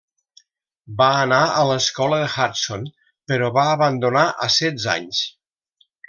Va anar a l'Escola de Hudson, però va abandonar a setze anys.